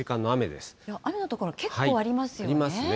雨の所、結構ありますよね。ありますね。